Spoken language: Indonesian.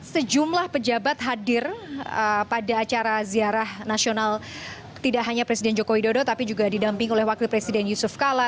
sejumlah pejabat hadir pada acara ziarah nasional tidak hanya presiden joko widodo tapi juga didamping oleh wakil presiden yusuf kala